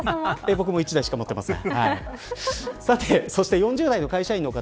僕も１台しか持ってません。